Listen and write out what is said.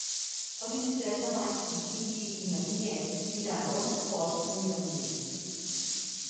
El vint-i-tres de maig en Quintí i na Vinyet iran a Bonrepòs i Mirambell.